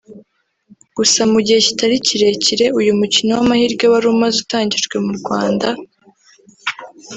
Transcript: Gusa mu gihe kitari kirekire uyu mukino w’amahirwe wari umaze utangijwe mu Rwanda